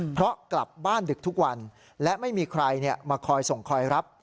เพราะกลับบ้านดึกทุกวันและไม่มีใครมาคอยส่งคอยรับ